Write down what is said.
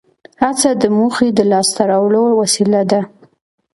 هڅه د موخې د لاس ته راوړلو وسیله ده.